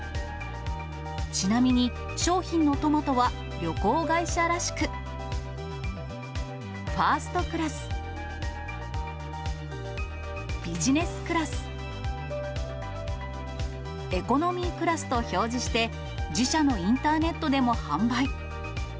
ちなみに、商品のトマトは旅行会社らしく、ファーストクラス、ビジネスクラス、エコノミークラスと表示して、自社のインターネットでも販売。